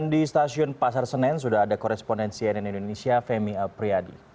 di stasiun pasar senen sudah ada korespondensi nn indonesia femi apriyadi